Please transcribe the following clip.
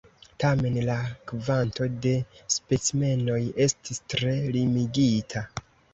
Tamen, la kvanto de specimenoj estis tre limigita.